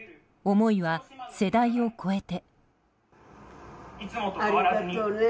思いは世代を超えて。